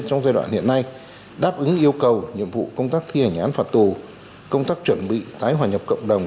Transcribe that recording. trong giai đoạn hiện nay đáp ứng yêu cầu nhiệm vụ công tác thi hành án phạt tù công tác chuẩn bị tái hòa nhập cộng đồng